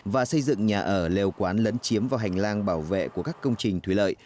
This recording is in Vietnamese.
và xây dựng nhà ở liều quán lấn chiếm vào hành lang bảo vệ của các công trình thủy lợi